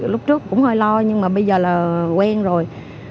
lúc trước cũng hơi lo nhưng mà bây giờ là quen rồi